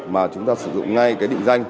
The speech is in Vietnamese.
mà chúng ta sử dụng ngay cái định danh